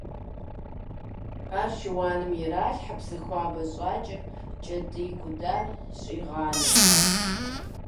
Ар шыуаным иралъхьэ, псы хуабэ щӀакӀэ, кӀэтӀий кудар щӀигъанэу.